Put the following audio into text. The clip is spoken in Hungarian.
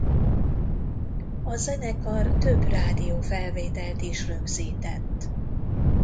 A zenekar több rádiófelvételt is rögzített.